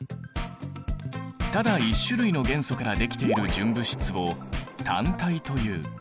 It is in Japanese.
ただ１種類の元素からできている純物質を単体という。